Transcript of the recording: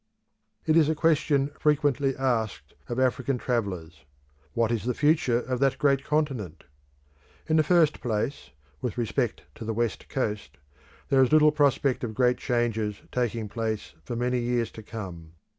It is a question frequently asked of African travellers, What is the future of that great continent? In the first place, with respect to the West Coast, there is little prospect of great changes taking place for many years to come.